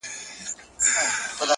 • چي وهل یې د سیند غاړي ته زورونه -